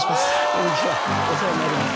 こんにちはお世話になります。